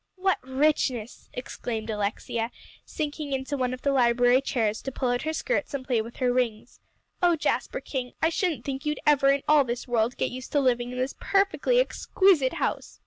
"What richness!" exclaimed Alexia, sinking into one of the library chairs to pull out her skirts and play with her rings. "Oh, Jasper King, I shouldn't think you'd ever in all this world get used to living in this perfectly exquisite house."